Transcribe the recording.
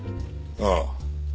ああ。